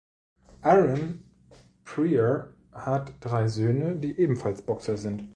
Aaron Pryor hat drei Söhne, die ebenfalls Boxer sind.